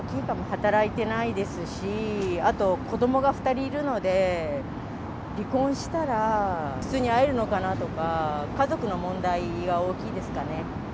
働いてないですし、あと、子どもが２人いるので、離婚したら普通に会えるのかなとか、家族の問題が大きいですかね。